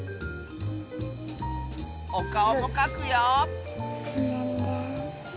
おかおもかくよ！